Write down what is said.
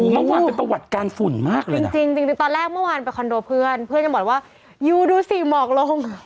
เมื่อวานเป็นประวัติการฝุ่นมากเลยจริงตอนแรกเมื่อวานไปคอนโดเพื่อนเพื่อนยังบอกว่าอยู่ดูสิหมอกลง